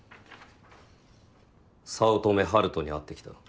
早乙女陽斗に会ってきた。